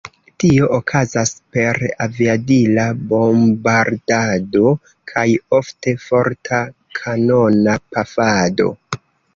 Tio okazas per aviadila bombardado kaj ofte forta kanona pafado.